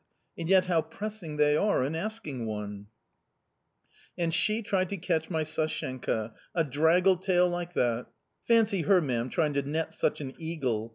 And yet how pressing they are in asking one !"" And she tried to catch my Sashenka, a draggle tail like that !"" Fancy her, ma'am, trying to net such an eagle